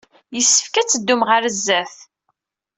Yessefk ad teddum ɣer sdat.